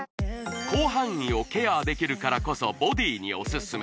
広範囲をケアできるからこそボディーにオススメ